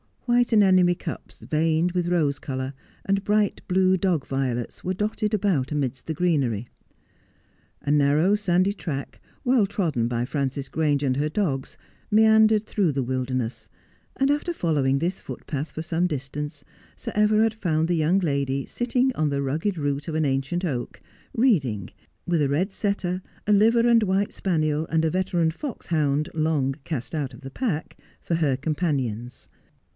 White anemone cups, veined with rose colour, and bright blue dog violets were dotted about amidst the greenery. A narrow sandy track, well trodden by Frances Grange and her dogs, meandered through the wilderness, and after following this footpath for some distance, Sir Everard found the young lady sitting on the rugged rootof an ancient oak, reading, with a red setter, a liver and white spaniel, and a veteran foxhound, long cast out of the pack, for her companions.